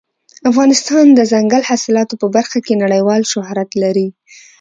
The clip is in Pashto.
افغانستان د دځنګل حاصلات په برخه کې نړیوال شهرت لري.